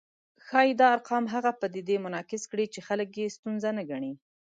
ښايي دا ارقام هغه پدیدې منعکس کړي چې خلک یې ستونزه نه ګڼي